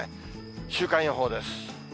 週間予報です。